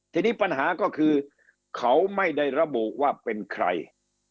ทีนี้ปัญหาก็คือเขาไม่ได้ระบุว่าเป็นใคร